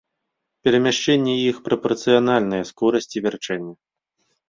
Перамяшчэнні іх прапарцыянальныя скорасці вярчэння.